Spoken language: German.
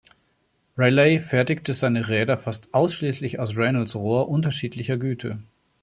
Raleigh fertigte seine Räder fast ausschließlich aus Reynolds Rohr unterschiedlicher Güte.